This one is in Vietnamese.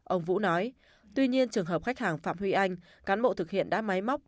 ông vũ nói tuy nhiên trường hợp khách hàng phạm huy anh cán bộ thực hiện đã máy móc